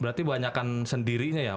berarti banyakan sendirinya ya